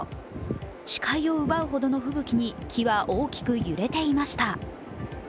視界を奪うほどの吹雪に木は大きく揺れていました。